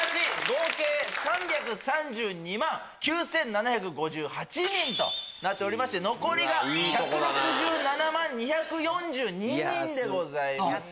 合計３３２万９７５８人となっておりまして残りが１６７万２４２人でございます。